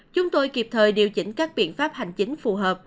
chúng tôi kịp thời điều chỉnh các biện pháp hành chính phù hợp